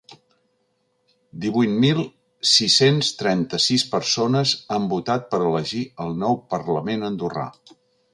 Divuit mil sis-cents trenta-sis persones han votat per elegir el nou parlament andorrà.